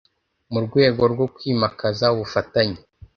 mu rwego rwo kwimakaza ubufatanye